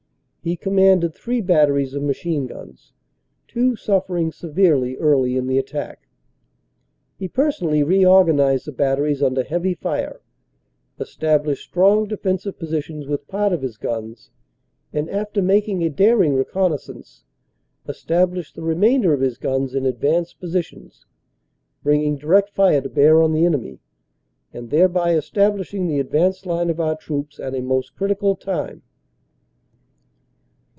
He com manded three batteries of machine guns, two suffering severely early in the attack. He personally reorganized the batteries under heavy fire, established strong defensive positions with part of his guns, and after making a daring reconnaissance, established the remainder of his guns in advanced positions, bringing direct fire to bear on the enemy, and thereby establish ing the advanced line of our troops at a most critical time.